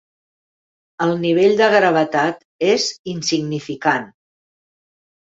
El nivell de gravetat és insignificant.